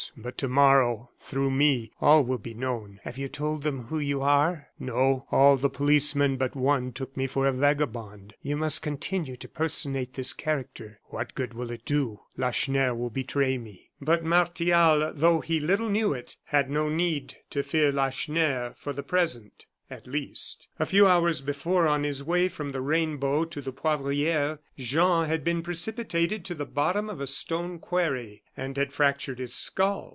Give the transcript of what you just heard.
But to morrow, through me, all will be known." "Have you told them who you are?" "No; all the policemen but one took me for a vagabond." "You must continue to personate this character." "What good will it do? Lacheneur will betray me." But Martial, though he little knew it, had no need to fear Lacheneur for the present, at least. A few hours before, on his way from the Rainbow to the Poivriere, Jean had been precipitated to the bottom of a stone quarry, and had fractured his skull.